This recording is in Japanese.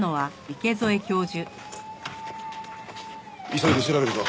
急いで調べるぞ。